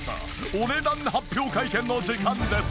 お値段発表会見の時間です。